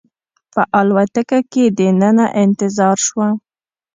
په الوتکه کې دننه انتظار شوم.